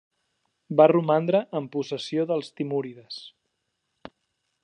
Va romandre en possessió dels timúrides.